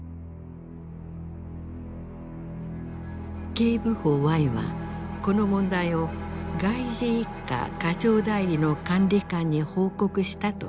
警部補Ｙはこの問題を外事一課課長代理の管理官に報告したと裁判で証言した。